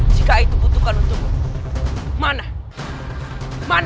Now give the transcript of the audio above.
jika itu butuhkan untuk mana